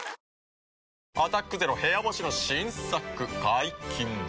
「アタックＺＥＲＯ部屋干し」の新作解禁です。